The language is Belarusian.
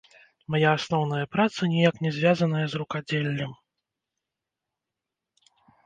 Мая асноўная праца ніяк не звязаная з рукадзеллем.